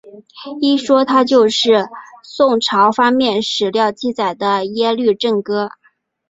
一说他就是宋朝方面史料记载的耶律郑哥。